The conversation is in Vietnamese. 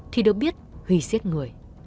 thì được biết huy xiết người